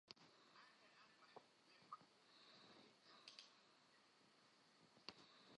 هێند ڕۆحسووک و بە دەستەوە بوو کە زۆر خۆشمان لێ دەهات